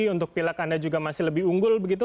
untuk pilek anda juga masih lebih unggul